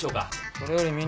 それより峰。